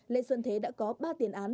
lê xuân thế đã có ba tiền án